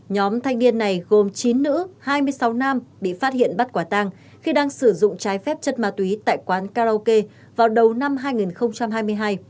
nhóm thanh niên này gồm chín nữ hai mươi sáu nam bị phát hiện bắt quả tang khi đang sử dụng trái phép chất ma túy tại quán karaoke vào đầu năm hai nghìn hai mươi hai